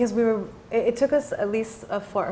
karena kita itu membutuhkan kita setidaknya empat atau lima